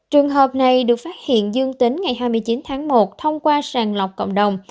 trường hợp này được phát hiện dương tính ngày hai mươi chín tháng một thông qua sàng lọc cộng đồng